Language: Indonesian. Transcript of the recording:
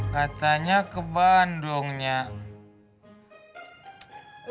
katanya ke bandung nyak